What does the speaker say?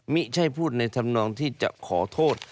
ไม่ใช่พูดในธรรมนองที่จะขอโทษ